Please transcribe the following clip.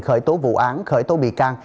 khởi tố vụ án khởi tố bị can